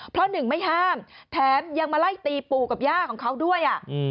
เพราะหนึ่งไม่ห้ามแถมยังมาไล่ตีปู่กับย่าของเขาด้วย